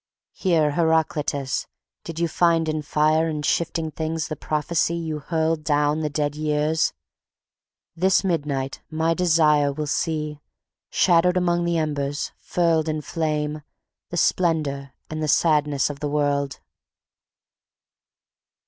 Here, Heraclitus, did you find in fire and shifting things the prophecy you hurled down the dead years; this midnight my desire will see, shadowed among the embers, furled in flame, the splendor and the sadness of the world.